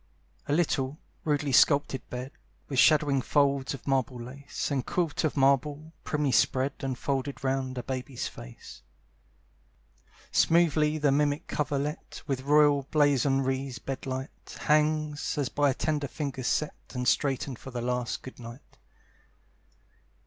A little, rudely sculptured bed, With shadowing folds of marble lace, And quilt of marble, primly spread And folded round a baby's face. Smoothly the mimic coverlet, With royal blazonries bedight, Hangs, as by tender fingers set And straightened for the last good night.